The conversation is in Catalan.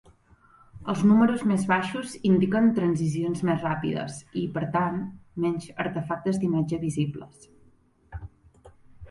Els números més baixos indiquen transicions més ràpides i, per tant, menys artefactes d'imatge visibles.